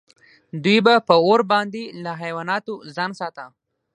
دوی به په اور باندې له حیواناتو ځان ساته.